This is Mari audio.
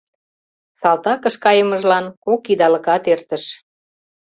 Салтакыш кайымыжлан кок идалыкат эртыш.